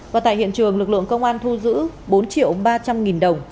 và tại hiện trường lực lượng công an thu giữ bốn triệu ba trăm linh nghìn đồng